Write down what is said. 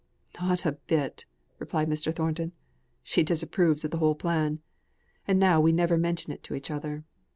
"Not a bit," replied Mr. Thornton. "She disapproves of the whole plan, and now we never mention it to each other.